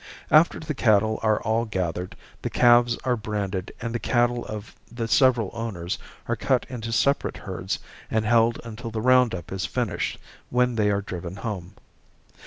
After the cattle are all gathered the calves are branded and the cattle of the several owners are cut into separate herds and held until the round up is finished when they are driven home.